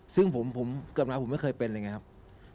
ซึ่งผมเกิดมาผมไม่เคยเป็นอะไรอย่างนี้ครับ